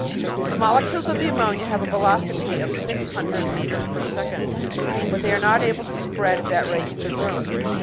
The molecules of the ammonia have a velocity of six hundred metres per second, but they are not able to spread at that rate through the room.